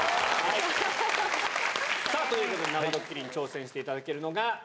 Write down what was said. さあ、ということで、生ドッキリに挑戦していただけるのが。